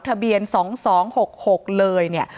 ทะเบียน๒๒๖๖เลย